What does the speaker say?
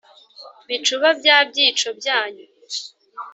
bicuba bya byico byanyu